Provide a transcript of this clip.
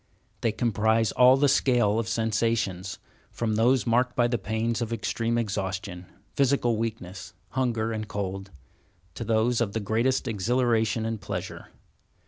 They comprise all the scale of sensations, from those marked by the pains of extreme exhaustion, physical weakness, hunger, and cold, to those of the greatest exhilaration and pleasure.